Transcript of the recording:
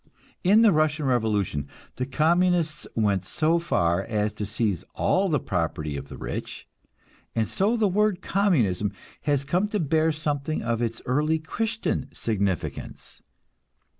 In the Russian revolution the Communists went so far as to seize all the property of the rich, and so the word Communism has come to bear something of its early Christian significance.